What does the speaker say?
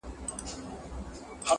• څه انګور او څه شراب څه میکدې سه,